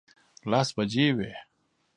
لس بجې وې.